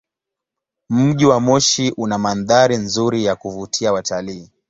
Mji wa Moshi una mandhari nzuri ya kuvutia watalii.